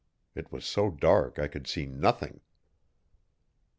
It was so dark I could see nothing.